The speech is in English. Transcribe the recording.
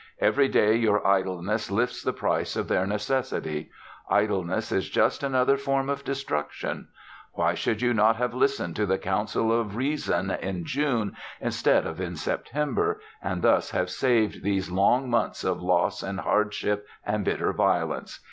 Every day your idleness lifts the price of their necessities. Idleness is just another form of destruction. Why could you not have listened to the counsel of Reason in June instead of in September, and thus have saved these long months of loss and hardship and bitter violence?